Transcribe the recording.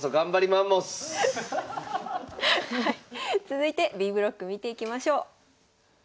続いてＢブロック見ていきましょう。